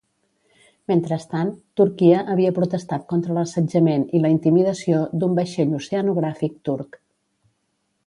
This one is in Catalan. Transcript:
Mentrestant, Turquia havia protestat contra l'assetjament i la intimidació d'un vaixell oceanogràfic turc.